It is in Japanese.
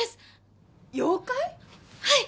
はい！